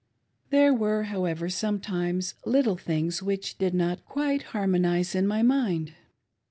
There were, however, sometimes, little things which did not quite harmonise in my mind.